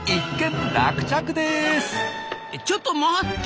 ちょっと待った！